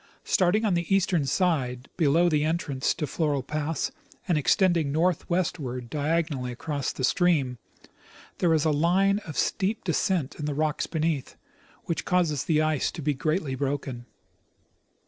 Starting on the eastern side, below the entrance to Floral pass, and ex tending northwestward diagonally across the stream, there is a line of steep descent in the rocks beneath, which causes the ice to be greatly broken.